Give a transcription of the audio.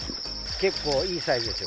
結構いいサイズですよ。